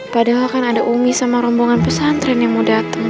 padahal kan ada umi sama rombongan pesantren yang mau datang